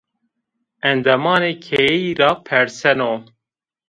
Endamanê keyeyî ra perseno